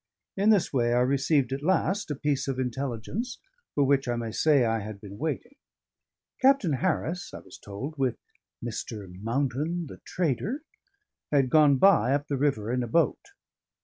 In this way I received at last a piece of intelligence for which, I may say, I had been waiting. Captain Harris (I was told) with "Mr. Mountain, the trader," had gone by up the river in a boat.